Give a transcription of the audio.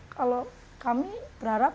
kalau kami berharap ya